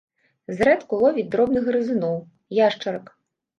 Зрэдку ловіць дробных грызуноў, яшчарак.